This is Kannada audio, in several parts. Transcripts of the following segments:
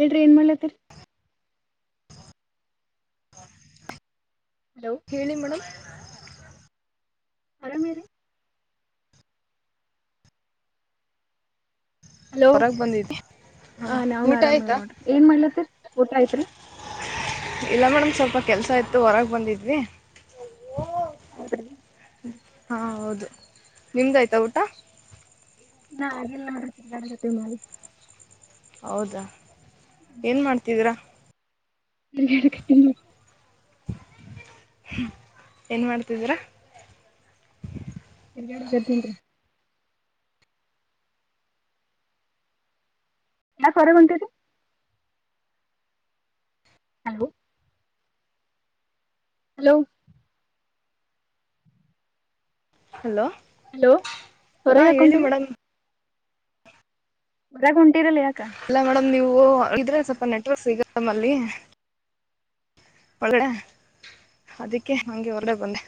ಹೇಳ್ರಿ ಏನ್ ಮಾಡಲತ್ತರಿ ಹಲೋ ಹೇಳಿ ಮೇಡಮ್ ಆರಾಮೇ ರಿ ಹಲೋ ಹೊರಗೆ ಬಂದಿದ್ವಿ ಹಾಂ ಹ ನಾವನ್ ಊಟ ಆರಾಮ ಆಯ್ತಾ ನೋಡ್ರಿ ಏನ್ ಮಾಡ್ಲತ್ತರಿ ಊಟ ಆಐತ್ರಿ ಇಲ್ಲ ಮೇಡಮ್ ಸ್ವಲ್ಪ ಕೆಲ್ಸ ಇಯತ್ತು ಹೊರಗೆ ಬಂದಿದ್ವಿ ಹೌದರಿ ಹಾ ಹೌದು ನಿಮ್ದ ಆಯ್ತಾ ಊಟಾ ನಾ ಆಗೆಲ್ಲ ನೋಡಿ [unintelligible] ಮಾಡಿ ಹೌದಾ ಏನು ಮಾಡ್ತಿದ್ದೀರಾ [unintelligible] ಏನು ಮಾಡ್ತಿದೀರಾ ತಿರುಗಾಡ ಕತ್ತೀನ್ರಿ [unintelligible] ಹಲೋ ಹಲೋ ಹಲೋ ಹಲೋ ಹೊರಗ ಹಾಂ ಹೇಳಿ ಯಾಕೊಂಟೀರಿ ಮೇಡಮ್ ಹೊರಾಗ ಹೋಂಟಿರಲ್ಲ ಯಾಕ ಇಲ್ಲ ಮೇಡಮ್ ನೀವು ಇದ್ರೆ ಸ್ವಲ್ಪ ನೆಟ್ವರ್ಕ್ ಸಿಗ್ ನಮಲ್ಲಿ ಒಳಡೆ ಅದಿಕ್ಕೆ ಹಂಗೆ ಹೊರಗಡೆ ಬಂದೆ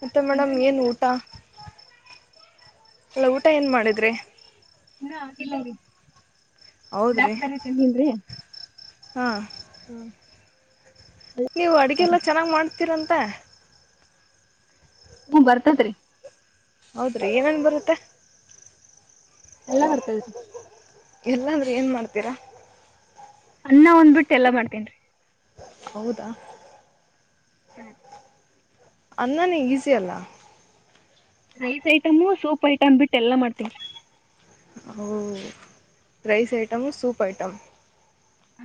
ಮತ್ತೆ ಮೇಡಮ್ ಹೊಂಟ್ರಿ ಏನ್ ನೆಲಗನ ಊಟಾ ಎಲ್ಲ ಊಟಾ ಏನ್ ಮಾಡಿದ್ರಿ ನಾ ಆಗಿಲ್ಲ ರೀ ಹೌದ್ರಿ ಬ್ಲಾಕ್ ಬೆರಿ ತಿನ್ನಿಲ್ರಿ ಹಾಂ ಹಾ ನೀವು ಅಡುಗೆಲ್ಲ ಚೆನ್ನಾಗ್ ಮಾಡ್ತೀರಂತೆ. ಹ್ಮ ಬರ್ತತ್ರಿ. ಹೌದ್ರಿ ಏನನ್ ಬರುತ್ತೆ. ಎಲ್ಲಾ ಬರ್ತದ್ರಿ. ಎಲ್ಲಂದ್ರೆ ಏನ್ ಮಾಡ್ತೀರಾ. ಅನ್ನಾ ಒಂದ್ ಬಿಟ್ಟು ಎಲ್ಲ ಮಾಡ್ತೇನ್ರಿ. ಹೌದಾ ಹಾಂ ಅನ್ನಾನೆ ಈಸಿ ಅಲ್ಲ. ರೈಸ್ ಐಟಮು ಸೂಪ್ ಐಟಮ್ ಬಿಟ್ಟ ಎಲ್ಲಾ ಮಾಡ್ತೀನಿ. ಓ ರೈಸ್ ಐಟಮ್ ಸೂಪ್ ಐಟಮ್. ಹ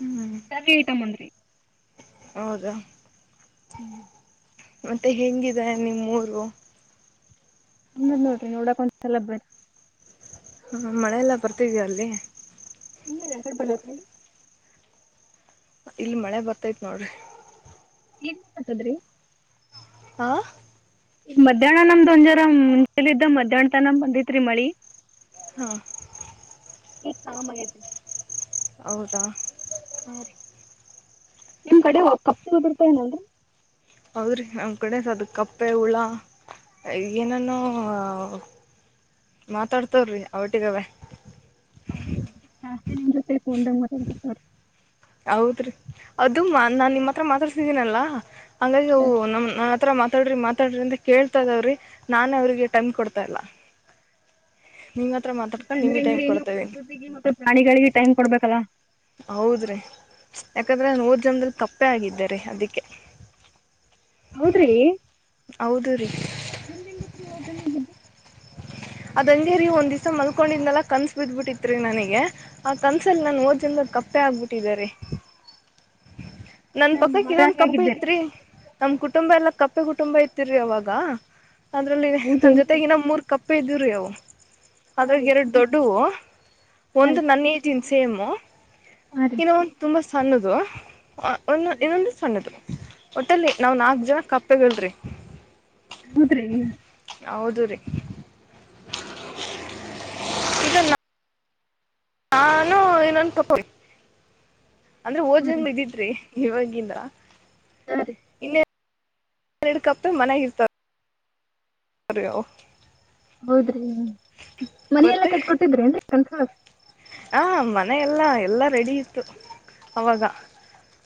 ಹ್ಮ್ [unintelligible] ಐಟಂ ಒಂದ್ರಿ ಹೌದಾ ಹ್ಮ್ ಮತ್ತೆ ಹೆಂಗಿದೆ ನಿಮ್ಮೂರು. ನ್ ನೋಡ್ರಿ ನೋಡಕ ಒಂದಸಲ ಬರಿ ಹ್ಮ ಮಳೆಲ್ಲ ಬರ್ತಿದಿಯ ಅಲ್ಲಿ. [unintelligible] ಎಕಡ್ ಬರಬೇಕ್ರೀ ಇಲ್ ಮಳೆ ಬರ್ತೈತ್ ನೋಡ್ರಿ. ಏನ್ [unintelligible] ಆ ಈಗ ಮಧ್ಯಾಹ್ನ ನಮ್ದು ಒಂಜಾರ ಮುಂಜಲಿದ್ದ ಮಧ್ಯಾಹ್ನ ತನ ಬಂದಿತ್ ರೀ ಮಳಿ. ಹಾಂ ಈ ಕಾಮ ಆಗೆತ. ಹೌದಾ ಹಾ ರೀ ನಿಮ್ ಕಡೆ ಕಪ್ ಉದುರ್ತವನಲ್ರಿ. ಹೌದ್ರಿ ನಮ್ಮ ಕಡೆ ಅದ ಕಪ್ಪೆ ಹುಳ ಏನಾನೋ ಮಾತಾಡ್ತಾವವ್ರಿ ಅವಟ್ಟಿಗವೇ. ಹೌದ ಜಾಸ್ತಿ ನಿಮ್ ಜೊತೆ ಫೋನ್ದಗ ಮಾತಾಡಕತ್ನೋಡ್ರಿ. ಹೌದ್ರಿ ಅದು ಮಾ ನಾನ್ ನಿಮ್ಮ ಹತ್ರ ಮಾತಾಡ್ತಿದ್ದೀನಲ್ಲ ಹಂಗಾಗಿ ಅವು ನಮ್ ನನ್ ಹತ್ರ ಮಾತಾಡ್ರಿ ಮಾತಾಡ್ರಿ ಅಂತ ಕೇಳ್ತಾ ಇದಾವ್ರಿ ನಾನೇ ಅವ್ರಿಗೆ ಟೈಮ್ ಕೊಡ್ತಾ ಇಲ್ಲ. ನಿಮ್ಮ ಹತ್ರ ಮಾತಾಡ್ತ ಯಾಕಂದ್ರೆ ನಿಮಿಗ್ ಟೈಮ್ ಹೆಂಗ್ರಿ ನೀವು ಕೊಡ್ತ ಇದ್ದೀನಿ. ಪ್ರಕೃತಿಗೆ ಮತ್ತೆ ಪ್ರಾಣಿಗಳಿಗೆ ಟೈಮ್ ಕೊಡ್ಬೇಕಲ್ಲ ಹೌದ್ರಿ ಯಾಕಂದ್ರೆ ನಾನ್ ಹೋದ್ ಜನ್ಮದಲ್ ಕಪ್ಪೇ ಆಗಿದ್ದೇ ರೀ ಅದಕ್ಕೆ. ಹೌದ್ರಿ ಹೌದು ರೀ ನಿಮ್ಗ ಹೆಂಗೊತ್ ರೀ ಹೋದ್ ಜನ್ಮದ್ದು. ಅದೆಂಗೇ ರೀ ಒಂದಿವ್ಸ ಮಲ್ಕೊಂಡಿಂದಲ್ಲಾ ಕನ್ಸ ಬಿದ್ಬಿಟ್ಟಿತ್ರಿ ನನಗೆ. ಆ ಕನ್ಸಲ್ ನನ್ ಓದ್ಜನಮದಲ್ ಕಪ್ಪೆ ಆಗ್ಬಿಟ್ಟಿದ್ದಾರಿ. ನನ್ ನಾ ಪಕ್ಕಕ್ ಇನ್ನೊಂದ ಮಹಾರಾಣಿ ಕಪ್ಪು ಆಗಿದ್ದೆ ರೀ ಐತ್ರಿ. ನಮ್ ಕುಟುಂಬ ಎಲ್ಲ ಕಪ್ಪೆ ಕುಟುಂಬ ಇತ್ತರಿ ಅವಾಗ ಅದ್ರಲ್ಲಿ ನನ್ ಹೌದೇನ್ರಿ ಜೊತೆಗಿನ ಮೂರ್ ಕಪ್ಪೆ ಇದ್ದುವ್ ರೀ ಅವು ಹಾ ಅದ್ರಾಗ ರೀ ಎರಡು ದೊಡ್ಡವು ಹಾ ಒಂದು ರೀ ನನ್ ಏಜ್ ಸೇಮು ಹಾ ರೀ ಇನ್ನ ಒಂದು ತುಂಬಾ ಸಣ್ಣದು ಒನೊ ಸರಿ ಇನ್ನೊಂದು ಸಣ್ಣದು ಒಟ್ಟಲ್ಲಿ ನಾವು ನಾಲ್ಕು ಜನ ಕಪ್ಪೆಗಳ್ರಿ. ಹದ್ರೀ ಹೌದು ರೀ. ಈಗ ನಾನು ಇನೊಂದು ತಪ ಅಂದ್ರೆ ಹಾ ರೀ ಓಜನ್ ಇದಿದ್ರಿ ಇವಾಗಿಲ್ ಹಾ ರೀ ಹಿಡ್ಕಪ ಮನ್ಯಾಗ ಇರುತ್ತಾವರೀ [unintelligible] ಹೌದ್ರಿ ಮನಿ ಎಲ್ಲಾ ಗೊತ್ತೆ ಕೊಟ್ಟಿದ್ರಿ ಏನ್ ಕೆಲಸದವರ ಹಾ ಮನಿ ಎಲ್ಲಾ ಎಲ್ಲಾ ರೆಡಿ ಇತ್ತು ಅವಾಗ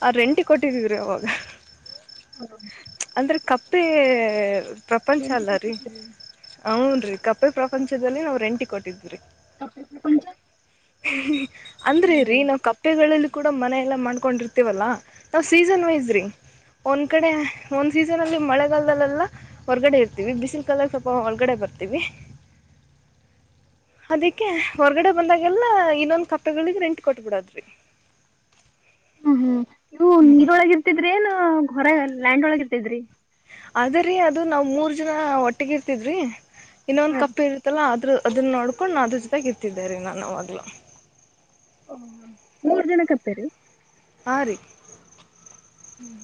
ಆ ರೆಂಟಿಗೆ ಕೊಟ್ಟಿದ್ರರಿ ಅವಾಗ ಹಾ ಅಂದ್ರೆ ಕಪ್ಪೆ ಪ್ರಪಂಚ ಪೇಂಟಿಂಗ್ ಅಲ್ಲ ರೀ ಕೊಟ್ಟಿದ್ರಿ ಹ್ನ್ ರರಿ ಕಪ್ಪೆ ಪ್ರಪಂಚದಲ್ಲಿ ನಾವ್ ರೆಂಟಿ ಕೊಟ್ಟಿದರಿ [unintelligible] ಹ್ಮ ಅಂದ್ರಿ ಹ್ಮ್ ನಾವ್ ಕಪ್ಪೆಗಳಲ್ಲಿ ಕೂಡ ಮನೆ ಎಲ್ಲಾ ಮಾಡ್ಕೊಂಡಿರ್ತೀವಲ್ಲಾ ನಾವ್ ಸೀಸನ್ ವೈಸ್ ರಿ ಒಂದ ಕಡೆ ಒಂದ್ ಸೀಸನ್ ಅಲ್ಲಿ ಮಳೆಗಾಲದಲ್ಲೆಲ್ಲ ಹೊರ್ಗಡೆ ಇರ್ತೀವಿ ಬಿಸಿಲು ಕಾಲದಲ್ಲಿ ಸ್ವಲ್ಪ ಹೊರ್ಗಡೆ ಬರ್ತೀವಿ [unintelligible] ಅದಕ್ಕೆ ಹೊರ್ಗಡೆ ಬಂದಾಗೆಲ್ಲ ಇನ್ನೊಂದ್ ಕಪ್ಪೆಗಳಿಗೆ ರೆಂಟ್ ಕೊಟ್ಬಿಡದ್ರಿ ಹ್ಮ್ ಹ್ಮ್ ಇವು ನೀರೊಳಗ ಇರ್ತಿದ್ರಿ ಏ ಹೊರ ಲ್ಯಾಂಡ್ ಒಳಗ ಇರ್ತಿದ್ರಿ ಅದ್ರೀ ಅದು ನಾವ್ ಮೂರ್ ಜನ ಒಟ್ಟಿಗ ಇರ್ತಿದ್ರಿ ಇನ್ನೊಂದ ಹಾ ರೀ ಕಪ್ಪೆ ಇರುತ್ತಲ್ಲ ಆದ್ರ ಅದನ್ನ ನೋಡ್ಕೊಂಡು ನ ಅದ್ರ ಜೊತೆಗೆ ಇತ್ತಿದ್ದ ರ ನಾನು ಅವಾಗ್ಲ ಓ ಮೂರ್ ಜನ ಕಪ್ಪೇರಿ ಹಾರಿ ಹ್ಮ್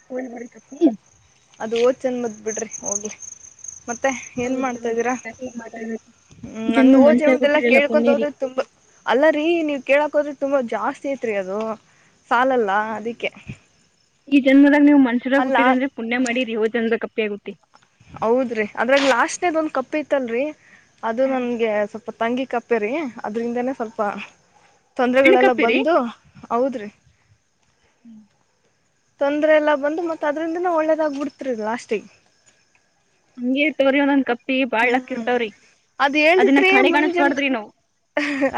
[unintelligible] ಅದು ಹೋದ ಜನ್ಮದ ಬಿಡ್ರಿ ಹೋಗ್ಲಿ ಮತ್ತೆ ಏನ್ ಹೌದ್ರಿ ವಜನ್ ಮಾಡ್ತಾದ್ದೀರ ಹೀಗ್ ಮಾತಾಡ್ಬೇಕು ಹ್ಮ್ ಈ ನಮ್ ಜನ್ಮ ಹೋ ಮನುಷ್ಯಾಗ್ ಜನ್ಮದ್ ಹುಟ್ಟಿರಲ್ಲ ಕೇಳ್ಕೊಂಡ ಪುಣ್ಯರಿ ಹೋದ್ರೆ ತುಂಬಾ ಅಲ್ಲರೀ ನೀವ್ ಕೇಳಕ್ ಹೋದ್ರೆ ತುಂಬಾ ಜಾಸ್ತಿ ಐತ್ರಿ ಅದು ಸಾಲಲ್ಲ ಅದಿಕ್ಕೆ ಈ ಜನ್ಮದಾಗ ನೀವು ಮನಷ್ಯಾರಾಗಿ ಅಲ್ಲ ಹುಟ್ಟಿರಿಂದ್ರೆ ಪುಣ್ಯ ಮಾಡಿರಿ ಹೋದ ಜನ್ಮದ ಕಪ್ಪಿಯಾಗಿ ಹುಟ್ಟಿ ಹೌದ್ರಿ ಅದ್ರಾಗ ಲಾಸ್ಟ್ನದ ಒಂದ್ ಕಪ್ಪ ಇತ್ತಲ್ರರಿ ಅದು ನನ್ಗೆ ಸ್ವಲ್ಪ ತಂಗಿ ಕಪ್ಪೆರಿ ಅದ್ರಿಂದಾನೇ ಸ್ವಲ್ಪ ಹೆಣ್ಣ ತೊಂದ್ರಗಳೆಲ್ಲ ಕಪ್ಪಿರಿ ಬಂದು ಹೌದ್ರಿ ಹ್ಮ್ ತೊಂದ್ರ ಎಲ್ಲ ಬಂದು ಮತ್ತ ಅದ್ರಿಂದನ ಒಳ್ಳೇದಾಗ ಬಿಡ್ತರಿ ಲಾಸ್ಟಿಗೆ ಹಂಗೇ ಇರ್ತವ್ರಿ ಒಂದೊಂದ್ ಕಪ್ಪಿ ಬಾಳ್ ಲಕ್ಕಿರ್ತವ್ರಿ ಅದ್ ಅದನ್ನ ಹೇಳ್ದಿತ್ರಿ ಕಡೆ ಮುಂದಿನ ಕಾಣಿಸ್ ಜನ್ಮ ಬಾರದರಿ ನಾವು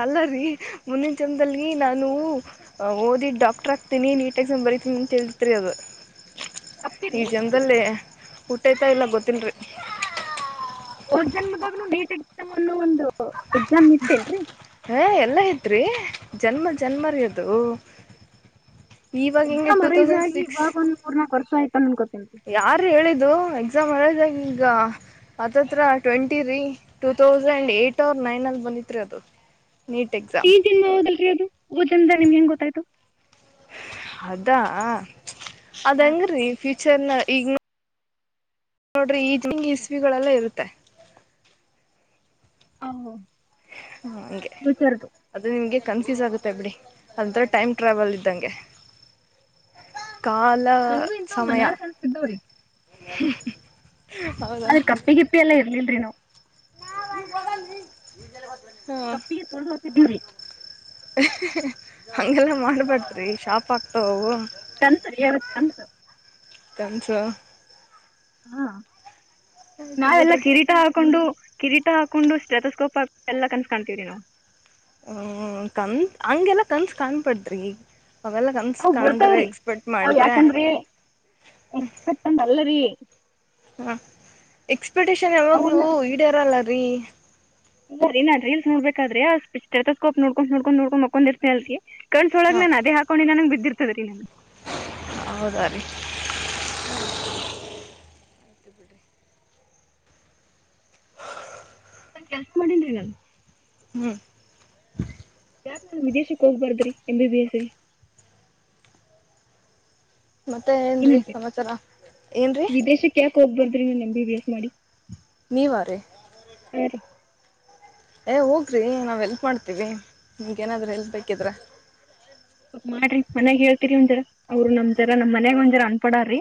ಅಲ್ಲ ರೀ ಮುಂದಿನ ಜನ್ಮದಲ್ಲಿ ನಾನು ಓದಿ ಡಾಕ್ಟ್ರ್ ಆಗ್ತೀನಿ ನೀಟಾಗಿಸ್ ಬರಿತೀನಿ ಅಂತ ಹೇಳ್ತಿತ್ರಿ ಅದು ಕಪ್ಪಿರಿ ಈ ಜನ್ಮದಲ್ಲೇ ಹುಟ್ಟಿತೋ ಇಲ್ಲ ಗೊತ್ತೀಲ ರೀ ಹೋಗದ ಜನ್ ದಾಗ ನೀಟ್ ಎಕ್ಸಾಮ್ ಅನ್ನೋ ಒಂದು ಎಕ್ಸಾಮ್ ಇತ್ತೇಲ್ರರಿ ಹಾ ಎಲ್ಲಾ ಇದ್ರಿ ಜನ್ಮ ಜನ್ಮರ್ಯದು ಇವಾಗ ಹಿಂಗೆ ಎಕ್ಸಾಮ್ ಇಂತು ಟೂ ಅರೈಸ್ ತೌಸಂಡ್ ಆಗಿ ಸಿಕ್ಸ್ [unintelligible] ಯಾರು ಹೇಳಿದ್ದು ಎಕ್ಸಾಮ್ [unintelligible] ಈಗ ಹತದತ್ರ ಟ್ವೆಂಟಿ ರೀ ಟೂ ತೌಸಂಡ್ ಏಟ್ ಅವ್ ನೈನ್ ಅಲ್ಲಿ ಬಂದತ್ರಿ ಅದು ನೀಟ್ ಈ ಎಕ್ಸಾಮ್ ಜನ್ಮಾ ಹೋದಲ್ಲ ರೀ ಅದು ಹೋದ ಜನ್ಮದ ನಿಮಗೆ ಹೆಂಗ್ ಗೊತ್ತಾಯ್ತು ಅದಾ ಹಾ ರೀ ಅದಂಗ್ರೀ ಫ್ಯೂಚರ್ ನ ಈ ನೋಡ್ರಿ ಈ ಇಸ್ವಿಗಳಲ್ಲಾ ಇರುತ್ತೆ ಆ ಹೋ ಹ ಹಂಗೆ ಅದು ನಿಮ್ಗೆ ಕನ್ಫ್ಯೂಸ್ ಆಗುತ್ತೆ ಬಿಡಿ ಅಂತ ಟೈಮ್ ಟ್ರಾವೆಲ್ ಇದ್ದಂಗೆ. ಕಾಲಾ ನನಗೂ ಇಂಥವ್ ಸಮಯ ಮನಾರ್ ಕಾಣಿಸ್ತಿದ್ದವ್ರಿ [inaudible] ಹ್ಮ ಹ ಆದ್ರ ಕಪ್ಪಿ ಗಿಪ್ಪಿ ಎಲ್ಲ ಇರ್ಲಿಲ್ರರಿ ನಾವು [unintelligible] ಕಪ್ಪಿಗೆ ತೊಳ್ದ ಹಾಕಿದ್ದೀವಿರೀ ಹ್ಞಿ ಹಂಗೆಲ್ಲ ಮಾಡ್ಬಾರದ್ರಿ ಶಾಪ್ ಆಗ್ತವವು ಕಂತ್ ರೀ ಕಂತ್ [unintelligible] [unintelligible] ಹಾ ಆಯ್ತು ನಾವೆಲ್ಲಾ ಬಿಡ್ರಿ ಕಿರೀಟಾ ಹಾಕೊಂಡು ಕಿರೀಟಾ ಹಾಕೊಂಡು ಸ್ಟೆತಸ್ಕೋಪ್ ಆ ಎಲ್ಲ್ ಕನ್ಸ್ ಕಾನ್ತಿವಿರಿ ನಾವು ಹ್ಮ ಕನ್ ಹಂಗೆಲ್ಲ ಕನ್ಸ್ ಕಾಣ್ಬಾದ್ರಿ ಅವೆಲ್ಲ ಕನ್ಸ್ ಅವು ಕಾಂಡ್ರೆ ಬಿಡ್ತಾವ್ರಿ ಎಕ್ಸ್ಪೆಕ್ಟ್ ಮಾಡಿದ್ರೆ [unintelligible] ಅಲ್ಲರೀ ಹ ಎಕ್ಸ್ಪೆಕ್ಟೇಶನ್ ಯಾವಾಗ್ಲೂ ಅವನ್ನ ಈಡೆರಲ್ಲರೀ ಇಲ್ಲಾ ರೀ ನಾ ರೀಲ್ಸ್ ನೋಡ್ಬೇಕಾದ್ರೆ ಆ ಟೆತೊಸ್ಕೊಪ್ ನೋಡ್ಕೊಂತ್ ನೋಡ್ಕೊಂತ್ ನೋಡ್ಕೊಂಡ್ ಮಕ್ಕೊಂಡಿರ್ತನಲ್ ರೀ ಕನ್ಸ್ ಒಳಗ್ ಹಾ ನಾನ ಅದೇ ಹಾಕೊಂಡೆನಿ ಅನಂಗ್ ಬಿದ್ದಿರ್ತದ್ರೀ ನನ್ಗೆ ಹೌದಾ ರೀ [inaudible] ಹಾ ರೀ. ಕೆಲಸ್ ಮಾಡಿನ್ರೀ ನಾನ್ ಹ್ಮ್. ಯಾಕ್ ನಿವ್ ವಿದೇಶಕ್ಕೆ ಹೊಗ್ಬಾರದ್ ರೀ ಎಂಬಿ ಬಿ ಎಸ್ ಮತ್ತೆ ಏನ್ರೀ ಏನಂತೀರಿ? ಸಮಾಚಾರ ಏನ್ರೀ ವಿದೇಶಕ್ ಯಾಕ್ ಹೋಗ್ಬಾದ್ರಿ ನೀವ್ ಎಂ ಬಿ ಬಿ ಎಸ್ ಮಾಡಿ ನೀವಾ ರೀ ಹಾ ರೀ. ಏ ಹೋಗ್ರಿ ನಾವ್ ಹೆಲ್ಪ್ ಮಾಡ್ತೀವಿ ನಿಮ್ಗ್ ಏನಾದ್ರೂ ಹೆಲ್ಪ್ ಬೇಕಿದ್ರ ಮಾಡ್ರಿ ಮನ್ಯಾಗ ಹೇಳ್ತಿರಿ ಒಂದ್ ಜರ ಅವ್ರ ನಮ್ ಜರ ನಮ್ಮ ಮನ್ಯಾಗ್ ಒಂದ್ ಜರಾ ಅನ್ಪಡ್ ಅದಾರಿ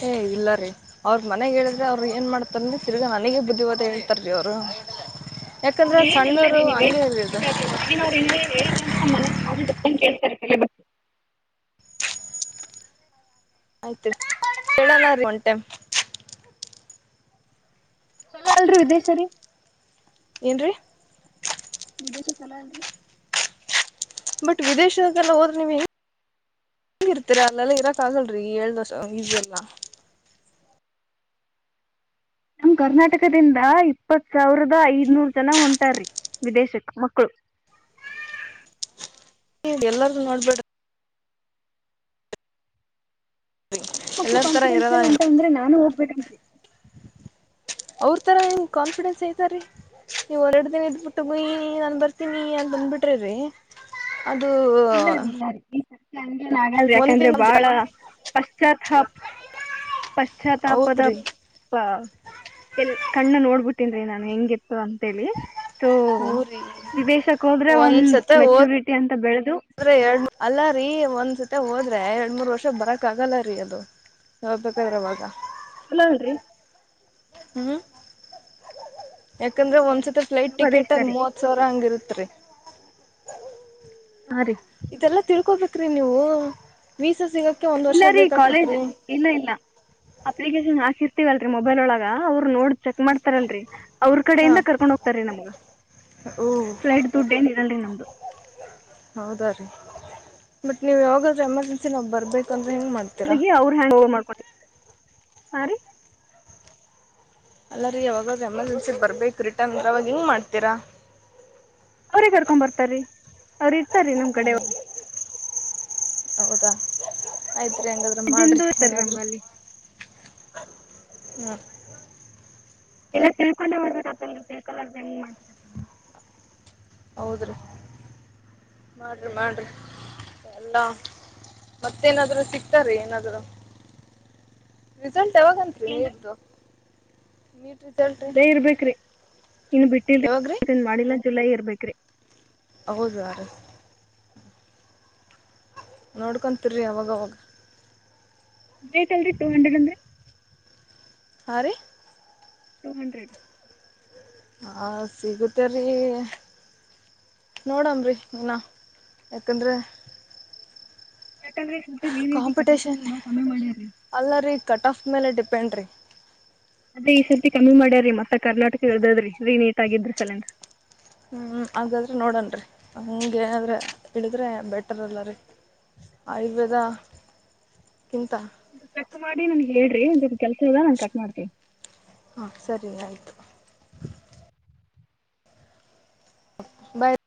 ಹೇ ಇಲ್ಲ ರೀ ಅವ್ರ ಮನೆಗ್ ಹೇಳಿದ್ರೆ ಅವ್ರರು ಏನ್ ಮಾಡ್ತಾರಂದ ತಿರ್ಗಾ ನನಗ ಬುದ್ಧಿವಾದ ಹೇಳ್ತಾರೀ ಅವರು ಯಾಕಂದ್ರೆ ಹಂಗೇನಿಲ್ಲ ಸಣ್ಣೂರು ರೀ ನೀವೇನ್ ಹಂಗೆ ತಪ್ಪ ಹೆಳಿದ್ [unintelligible] ಆಯ್ತೊರೀ ಕೇಳೋಣ ರೀ ಒನ್ ಟೈಮ್ ಚೊಲೊ ಅಲ್ರಿ ವಿದೇಶ ರೀ ಏನ್ರೀ ವಿದೇಶ [unintelligible] ಬಟ್ ವಿದೇಶಕ್ಕೆಲ್ಲ ಹೋದ್ರ ನೀವ್ ಹೆಂಗ್ ಹೆಂಗ ಇರ್ತಿರಾ ಅಲ್ಲೆಲ್ಲ ಇರಕ್ ಆಗಲ್ರರಿ ಹೆಳ್ದಷ್ಟ ಈಜಿ ಅಲ್ಲಾ ನಮ್ ಕರ್ನಾಟಕದಿಂದ ಇಪ್ಪತ್ ಸಾವಿರದಾ ಐದ್ನೂರ್ ಜನ ಹೊಂಟಾರ್ರೀ ವಿದೇಶಕ್ ಮಕ್ಕಳು ಎಲ್ಲಾದು ನೋಡ್ಬೇಡ ಎಲ್ಲರ ಥರ ಕಾಫಿಡೆನ್ಸ್ ಇರೋದ ಲ್ಲ ಹೊಂಟ ಏನು ಅಂದ್ರೆ ನಾನು ಹೊಗ್ಬೆಕ್ [inaudible] ಅವ್ರ ತರಾ ಏನ್ ಕಾನ್ಫಿಡೆನ್ಸ್ ಐತಾರೀ ನೀವು ಎರಡ್ ದಿನ ಇದ್ಬಿಟ್ಟು ಗುಂಯಿ ನಾನ್ ಬರ್ತೀನಿ ಅಂತ ಬಂದ್ಬಿಟ್ರಿ ರೀ ಅದೂ ಈ ಸರ್ತಿ ನನಗೆನ್ ಆಗಲ್ ರೀ ಯಾಕಂದ್ರೆ ಬಹಳ ಪಶ್ಚಾಥಾಪ್ ಪಶ್ಚಾತ್ತಾಪದ ಹೌದ್ರಿ ಪ್ಪಾ ಎಲ್ ಕಣ್ಣ ನೋಡ್ ಬಿಟ್ಟನರಿ ನಾನ ಹೆಂಗಿರದಂತ ಅಂತೇಳಿ ಸೋ ಹಊರಿ ವಿದೇಶಕ್ ಹೋದ್ರೆ ಒಂದ್ ಮೆಚೂರಿಟಿ ಅಂತ ಬೆಳೆದು ಅದ್ರೆ ಎರಡ್ ಅಲ್ಲ ರೀ ಒಂದ್ಸತಿ ಹೋದ್ರೆ ಎರಡ್ ಮೂರ್ ವರ್ಷ ಬರಕ್ ಆಗಲ್ಲ ರೀ ಅದು ಹೋಗಬೇಕಾದ್ರೆ ಇವಾಗ ಅಲ್ಲನ್ರಿ ಹ್ಮ್ ಚಲೋ ಯಾಕಂದ್ರೆ ನೋಡ್ರಿ ಒಂದ್ಸತಿ ಫ್ಲೈಟ್ ಅನುಪದೇಶ ಟಿಕೆಟ್ ಅದ ರೀ ಮೂವತ್ [unintelligible] ಹಂಗಿರುತ್ತರಿ ಹಾ ರೀ ಇದೆಲ್ಲಾ ತಿಳ್ಕೊಬೇಕ್ರೀ ನೀವು ವೀಸಾ ಸಿಗಕ್ಕೆ ಒಂದ್ ವರ್ಷ ಇಲ್ಲ ರೀ ಬೇಕಾಗತ್ ಕಾಲೇಜ್ ರೀ ಇಲ್ಲ ಇಲ್ಲ ಅಪ್ಲಿಕೇಶನ್ ಹಾಕಿರ್ತೀವಲ್ರರಿ ಮೊಬೈಲ್ ಒಳಗ ಅವ್ರು ನೋಡ್- ಚೆಕ್ ಮಾಡ್ತಾರಲ್ರರಿ ಅವ್ರ ಹಾ ಕಡೆಯಿಂದ ಕರ್ಕೊಂಡ್ ಹೋಗ್ತಾರೀ ನಮ್ಗ ಓ ಪೈಲಟ್ ದುಡ್ ಏನ್ ಇಲ್ಲಲ್ರಿ ನ್ದು ಹೌದಾ ರೀ ಬಟ್ ನೀವ್ ಯಾವಾಗಾದ್ರೂ ಎಮರ್ಜೆನ್ಸಿ ನಾವು ಬರ್ಬೇಕಂದ್ರೆ ಹೆಂಗ ಮಾಡ್ವಿ ಅವರು ಹ್ಯಾಂಗ್ ಓವರ್ ಮಾಡ್ಕೊಂಡ ಸ ರೀ ಅಲ್ಲ ರೀ ಯಾವಾಗ ಎಮರ್ಜೆನ್ಸಿ ಬರ್ಬೇಕು ರಿಟರ್ನ್ಂದ ಅವಾಗ ಹಿಂಗ ಮಾಡ್ತೀರಾ ಅವ್ರಿಗೆ ಕರ್ಕೊಂಡ್ ಬರ್ತಾರೀ ಅವ್ರ ಇರ್ತಾರೀ ನಮ್ ಹ್ಮ್ ಕಡೆ ಹೌದಾ ಆಯ್ತ್ರಿ ಹಂಗ ಅ ಮಾಡ್ರರಿ ಜಿಂದು ಇರ್ತಾರೀ ಏನಾದರುೂ ನಮ್ಗ ಅಲ್ಲಿ ಹಾ ಇಲ್ಲ ತಿಳ್ಕೊಂಡ ತಿಳ್ರ್ ಮಾಡ್ ಹೌದ್ರೀ ಏನಾದ್ರೂ ಮಾಡ್ರರಿ ಎಲ್ಲಾ ಮತ್ತೇನಾದ್ರು ಸಿಗ್ತಾರೀ ಏನಾದ್ರು ರಿಸಲ್ಟ್ ಯಾವಾಗಂರಿ ನೀಟದು ಜುಲೈ ಇರ್ಬೇಕ್ರಿ ನೀನ್ ಯಾವಾಗ ರೀ ಬಿಟ್ಟಿಲ್ರಿಏನ್ ಮಾಡಿಲ್ಲಾ ಜುಲೈ ಇರ್ಬೇಕ್ರಿ ಹೌದಾ ನೋಡ್ಕೊತಿರಿ ಅವವಾಗವಾಗ ಎಂಟ್ ಹಂಡ್ರೆಡ್ ಅಲ್ರಿ ಟು ಹಂಡ್ರೆಡ್ ಅಂದೆ ಹಾಂ ರೀ ಟು ಹಂಡ್ರೆಡ್ ಹಾಂ ಸಿಗುತ್ತ ರೀ ನೋಡಮ್ರಿ ನೀನ ಯಾಕಂದ್ರೆ ಕಟ್ಟ ನೀನ್ಐತಿ ಕ ಕಾಂಪಿಟೇಷನ್ ಕಮ್ಮಿ ಮಾಡ್ರರಿ ಅಲ್ಲ ರೀ ಕಟ್ ಆಫ್ ಮೇಲೆ ಡಿಪೆಂಡ್ ರಿ ಅದೇ ಈ ಸರ್ತಿ ಕಮ್ಮಿ ಮಾಡ್ಯಾರೀ ಮತ್ತ ಕರ್ನಾಟಕ ಇದ್ರಿ ರೀ ನೀಟ್ ಆಗಿದ್ರಿ ಸಲೇಂದ ಹ್ಞ ಹಾಗಾದ್ರೆ ನೋಡೋಣ ರೀ ಹಗೆೇನಾದರೆ ಇಳಿದ್ರೆ ಬೆಟರ್ಲ್ಲ ರೀ ಆಯುರ್ವೇದ ಕ್ಕಿಂತ ಚಕ್ ಮಾಡಿ ನನ್ ಹೇಳಿ ಒಂದ ಕೆಲ್ಸ ಇದ ನಾ ಕಟ್ ಮಾಡ್ತನಿ ಹಾಂ ಸರಿ ಆಯಿತು ಬಾಯ್